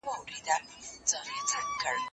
زه تکړښت کړی دی؟